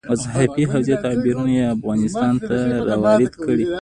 مذهبي حوزې تعبیرونه یې افغانستان ته راوارد کړي.